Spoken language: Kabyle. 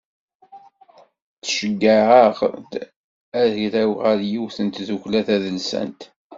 Tceggeɛ-aɣ d agraw ɣer yiwet n tdukla tadelsant.